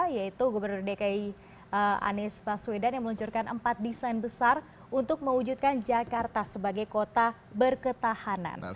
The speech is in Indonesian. yaitu gubernur dki anies baswedan yang meluncurkan empat desain besar untuk mewujudkan jakarta sebagai kota berketahanan